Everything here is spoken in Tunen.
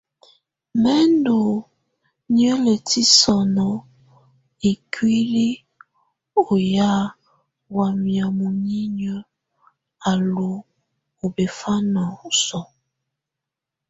Mɛ̀ ndù niǝ́lǝtiǝ́ sɔ̀nɔ̀ ikuili ɔ ya wamɛ̀á munyinyǝ á lù ɔbɛfana sɔ̀á.